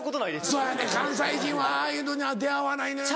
そやねん関西人はああいうのには出会わないのよな。